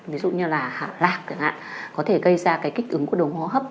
ví dụ như là hạt lạc chẳng hạn có thể gây ra kích ứng của đồ hô hấp